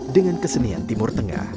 dengan kesenian timur tengah